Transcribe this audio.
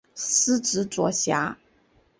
司职左闸。